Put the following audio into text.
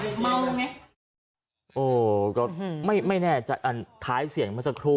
เมาไงโอ้ก็ไม่ไม่แน่ใจอันท้ายเสียงเมื่อสักครู่